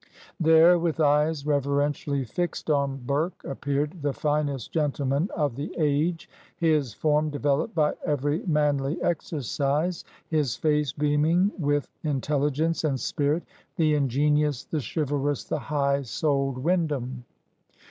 There, with eyes reverentially fixed on Burke, appeared the finest gentleman of the age, his form developed by every manly exercise, his face beaming with intelligence and spirit, the ingenious, the chivalrous, the high souled Windham.